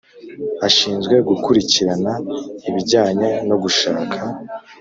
Ashinzwe gukurikirana ibijyanye no gushaka .